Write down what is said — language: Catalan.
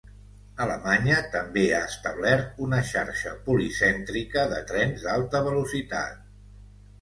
Alemanya també ha establert una xarxa policèntrica de trens d'alta velocitat.